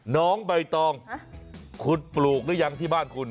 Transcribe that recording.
น้องใบตองคุณปลูกหรือยังที่บ้านคุณ